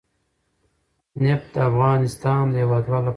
نفت د افغانستان د هیوادوالو لپاره ویاړ دی.